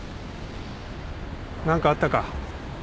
何かあったか？